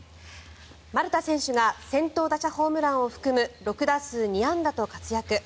丸田選手が先頭打者ホームランを含む６打数２安打と活躍。